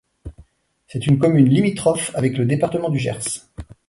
C'est une commune limitrophe avec le département du Gers.